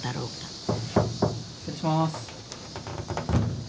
失礼します。